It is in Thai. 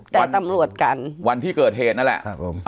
แต่ตำรวจกันวันที่เกิดเหตุนั่นแหละ